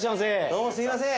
どうもすいません。